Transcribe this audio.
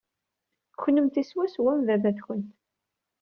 Kennemti swaswa am baba-twent.